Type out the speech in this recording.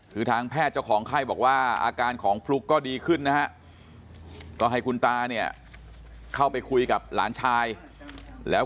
คือทางแพทย์เจ้าของไข้บอกว่าอาการของฟลุ๊กก็ดีขึ้นนะฮะก็ให้คุณตาเนี่ยเข้าไปคุยกับหลานชายแล้ว